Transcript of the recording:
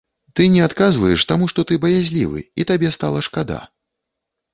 Ты не адказваеш, таму што ты баязлівы і табе стала сябе шкада.